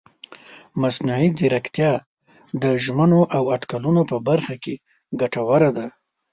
مصنوعي ځیرکتیا د ژمنو او اټکلونو په برخه کې ګټوره ده.